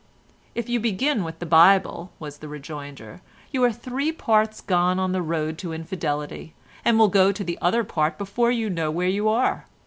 "If you begin with the Bible," was the rejoinder, "you are three parts gone on the road to infidelity, and will go the other part before you know where you are.